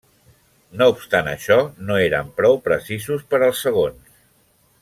No obstant això, no eren prou precisos per als segons.